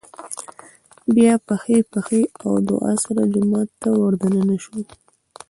بيا په ښۍ پښې او دعا سره جومات ته ور دننه شو